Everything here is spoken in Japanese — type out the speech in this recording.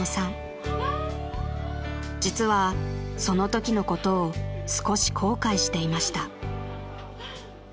［実はそのときのことを少し後悔していました］